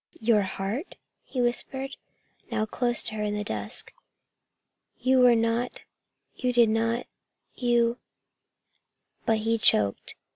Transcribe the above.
"Your heart?" he whispered, now close to her in the dusk. "You were not you did not you " But he choked.